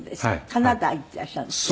カナダ行っていらっしゃるんですって？